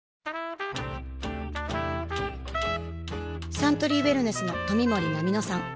サントリーウエルネスの冨森菜美乃さん